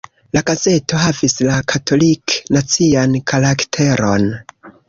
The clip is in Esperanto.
La gazeto havis la katolik-nacian karakteron.